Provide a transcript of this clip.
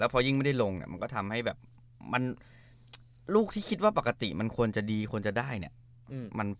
พอยิ่งไม่ได้ลงเนี่ยมันก็ทำให้แบบมันลูกที่คิดว่าปกติมันควรจะดีควรจะได้เนี่ย